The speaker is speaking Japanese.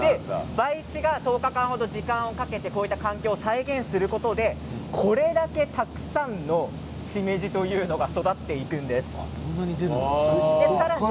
培地で１０日間程、時間をかけてこのような環境を再現することでこれだけたくさんのシメジが育っていくんです。